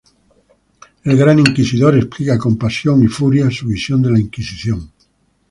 El Gran Inquisidor explica con pasión y furia su visión de la Inquisición.